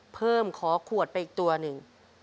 เพิ่มขอขวดไปอีกตัวนึง